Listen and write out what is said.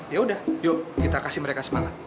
ya udah yuk kita kasih mereka semangat